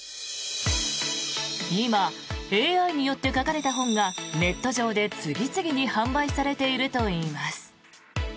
今、ＡＩによって書かれた本がネット上で次々に販売されているといいます。